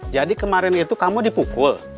jadi kemarin itu kamu dipukul